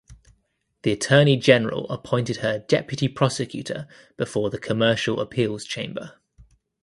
The Attorney General appointed her deputy prosecutor before the Commercial Appeals Chamber.